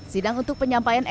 sedang untuk penyampaian